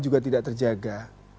juga tidak terjaga